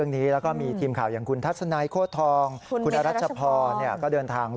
หลายคนทั้งประชาชนเอง